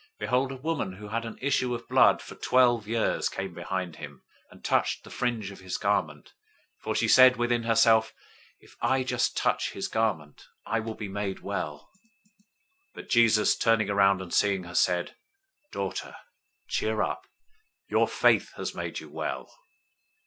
009:020 Behold, a woman who had an issue of blood for twelve years came behind him, and touched the fringe{or, tassel} of his garment; 009:021 for she said within herself, "If I just touch his garment, I will be made well." 009:022 But Jesus, turning around and seeing her, said, "Daughter, cheer up! Your faith has made you well."